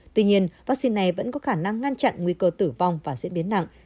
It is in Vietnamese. tuy nhiên vaccine này vẫn có khả năng ngăn chặn nguy cơ tử vong và diễn biến nặng